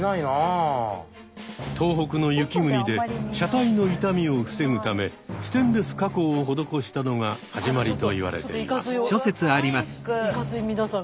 東北の雪国で車体の傷みを防ぐためステンレス加工を施したのが始まりと言われています。